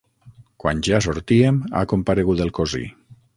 Quan ja sortíem ha comparegut el cosí.